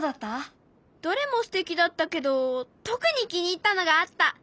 どれもすてきだったけど特に気に入ったのがあった！